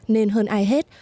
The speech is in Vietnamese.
nên hơn ai hết